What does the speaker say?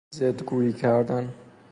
ضد گوئی کردن